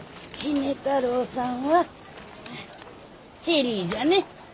杵太郎さんはチェリーじゃね。